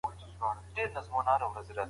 زه به مکتب ته تياری کړی وي.